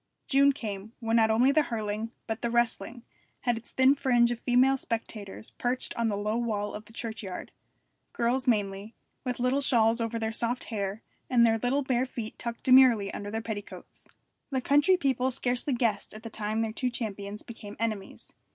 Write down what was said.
June came, when not only the hurling, but the wrestling, had its thin fringe of female spectators perched on the low wall of the churchyard girls mainly, with little shawls over their soft hair, and their little bare feet tucked demurely under their petticoats. The country people scarcely guessed at the time their two champions became enemies.